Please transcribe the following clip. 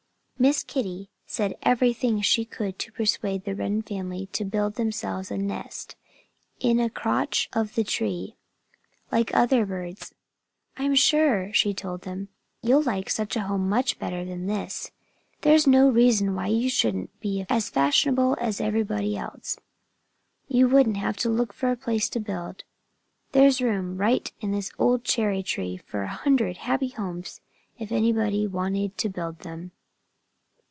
Miss Kitty said everything she could to persuade the Wren family to build themselves a nest in a crotch of the tree, like other birds. "I'm sure," she told them, "you'd like such a home much better than this. There's no reason why you shouldn't be as fashionable as everybody else. You wouldn't have to look for a place to build. There's room enough right in this old cherry tree for a hundred happy homes if anybody wanted to build them."